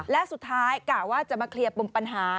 และสุดท้ายกะว่าจะมาเคลียร์ปมปัญหา